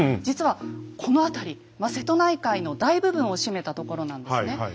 実はこの辺り瀬戸内海の大部分を占めたところなんですね。